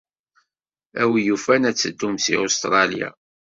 A win yufan ad teddum seg Ustṛalya.